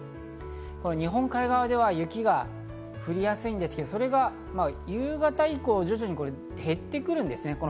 日本海側では雪が降りやすいんですけど、それが夕方以降、徐々に減ってくるんですね。